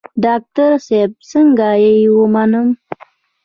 ډاکتر صاحب څنګه يې ومنم.